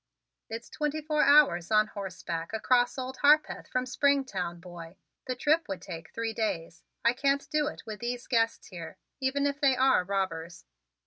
"It's twenty four hours on horseback across Old Harpeth from Springtown, boy. The trip would take three days. I can't do it with these guests here, even if they are robbers.